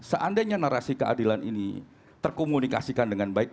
kalau andainya narasi keadilan ini terkomunikasikan dengan baik